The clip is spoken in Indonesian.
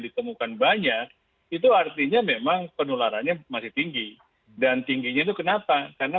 ditemukan banyak itu artinya memang penularannya masih tinggi dan tingginya itu kenapa karena